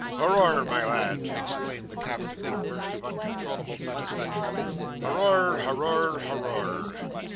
"Hooroar, my lad!" exclaimed the Captain, in a burst of uncontrollable satisfaction. "Hooroar! hooroar! hooroar!"